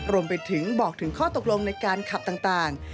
รวมไปถึงบอกถึงข้อตกลงในการขับต่าง